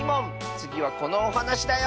つぎはこのおはなしだよ！